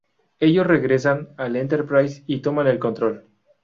Ellos regresan al "Enterprise" y toman el control.